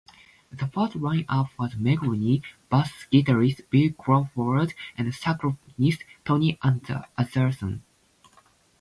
The first line-up was Meghrouni, bass guitarist Bill Crawford and saxophonist Tony Atherton.